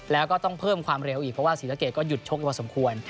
แล้วก็ต้องเพิ่มความเร็วอีกเพราะว่าศรีสะเกดก็หยุดชกอยู่พอสมควร